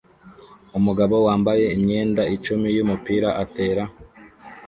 Umugabo wambaye imyenda icumi yumupira atera